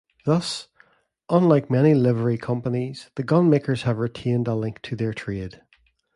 Thus, unlike many Livery Companies, the Gunmakers have retained a link to their trade.